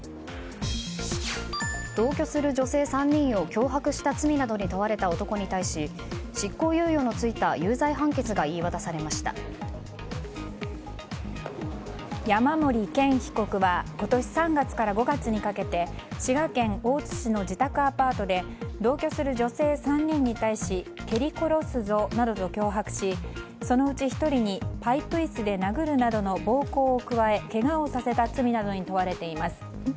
同居する女性３人を脅迫した罪などに問われた男に対し執行猶予のついた有罪判決が山森健被告は今年３月から５月にかけて滋賀県大津市の自宅アパートで同居する女性３人に対し蹴り殺すぞなどと脅迫しそのうち１人に、パイプ椅子で殴るなどの暴行を加えけがをさせた罪などに問われています。